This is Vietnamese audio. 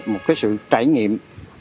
một sự trải nghiệm